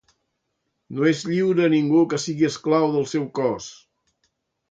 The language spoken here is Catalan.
No és lliure ningú que sigui esclau del seu cos.